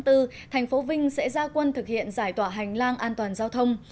thành phố vinh sẽ ra quân thực hiện giải tỏa hành lang an toàn giao thông